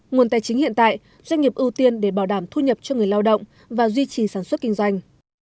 nguồn tài chính hiện tại doanh nghiệp ưu tiên để bảo đảm thu nhập cho người lao động và duy trì sản xuất kinh doanh